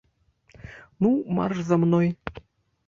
Ну, марш за мной!